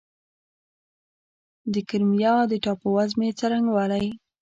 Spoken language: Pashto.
د کریمیا د ټاپووزمې څرنګوالی